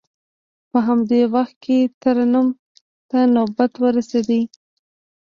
په همدې وخت کې ترنم ته نوبت ورسید.